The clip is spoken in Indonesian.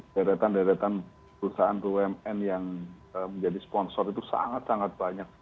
deretan deretan perusahaan bumn yang menjadi sponsor itu sangat sangat banyak